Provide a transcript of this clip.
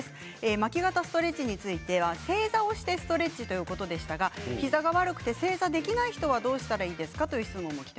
巻き肩ストレッチについては正座をしてストレッチということでしたが膝が悪くて正座できない人はどうしたらいいですか？